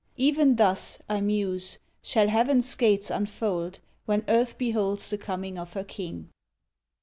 Even thus, I muse, shall heaven's gates unfold, When earth beholds the coming of her King.